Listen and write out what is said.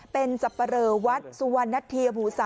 เป็นสับปะเลอร์วัดสุวรรณทีอภูร์๓